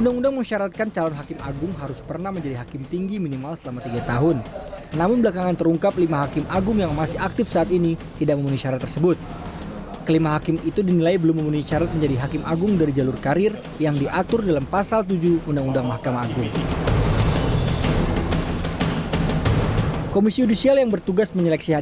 pemerintah pun diminta mengambil langkah cepat untuk mengevaluasi berbagai polemik dalam bidang hukum di indonesia